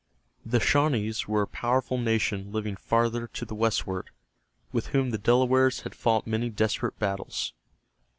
The Shawnees were a powerful nation living farther to the westward, with whom the Delawares had fought many desperate battles.